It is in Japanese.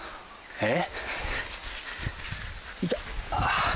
えっ？